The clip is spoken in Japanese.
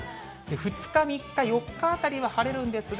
２日、３日、４日あたりは晴れるんですが、